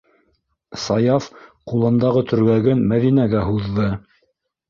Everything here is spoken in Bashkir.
- Саяф ҡулындағы төргәген Мәҙинәгә һуҙҙы.